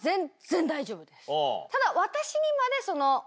ただ私にまで。